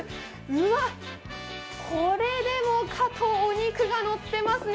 うわっ、これでもかとお肉が乗ってますね。